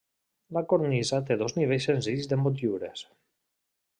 La cornisa té dos nivells senzills de motllures.